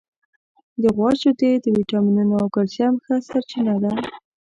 د غوا شیدې د وټامینونو او کلسیم ښه سرچینه ده.